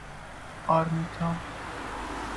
آرمیتا